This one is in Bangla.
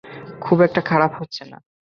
খুব একটা খারাপ হচ্ছে না।